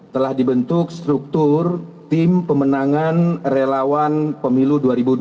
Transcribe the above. telah dibentuk struktur tim pemenangan relawan pemilu dua ribu dua puluh